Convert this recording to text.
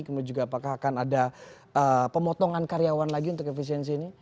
kemudian juga apakah akan ada pemotongan karyawan lagi untuk efisiensi ini